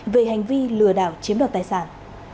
về hành vi lừa đảo chiếm đoạt tài sản